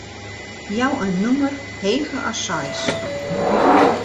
Jou in nûmer heger as seis.